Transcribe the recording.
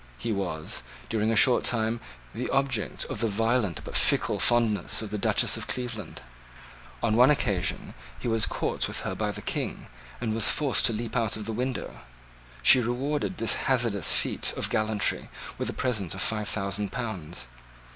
He was, during a short time, the object of the violent but fickle fondness of the Duchess of Cleveland. On one occasion he was caught with her by the King, and was forced to leap out of the window. She rewarded this hazardous feat of gallantry with a present of five thousand pounds.